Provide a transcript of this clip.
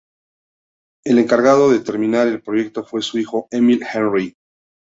El encargado de terminar el proyecto fue su hijo Emile Henry.